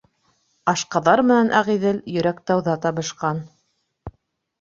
Ашҡаҙар менән Ағиҙел Йөрәктауҙа табышҡан;